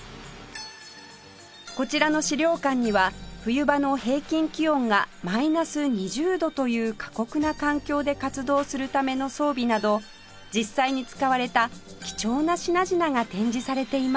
こちらの資料館には冬場の平均気温がマイナス２０度という過酷な環境で活動するための装備など実際に使われた貴重な品々が展示されています